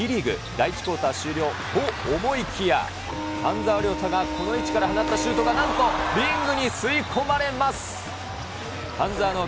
第１クオーター終了と思いきや、半澤りょうたがこの位置から放ったシュートがなんとリングに吸い込まれます。